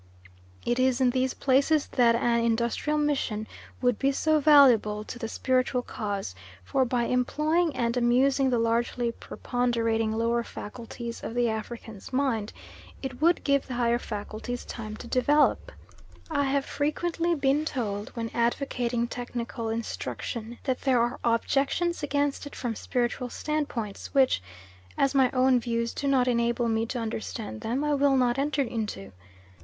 It is in these places that an industrial mission would be so valuable to the spiritual cause, for by employing and amusing the largely preponderating lower faculties of the African's mind, it would give the higher faculties time to develop. I have frequently been told when advocating technical instruction, that there are objections against it from spiritual standpoints, which, as my own views do not enable me to understand them, I will not enter into.